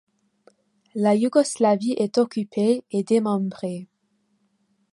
La Yougoslavie est occupée et démembrée.